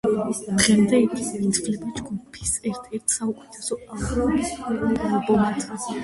დღემდე იგი ითვლება ჯგუფის ერთ-ერთ საუკეთესო ალბომად.